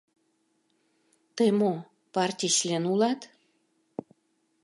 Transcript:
— Тый мо — партий член улат?